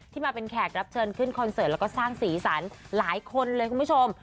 มาเป็นแขกรับเชิญขึ้นคอนเสิร์ตแล้วก็สร้างสีสันหลายคนเลยคุณผู้ชม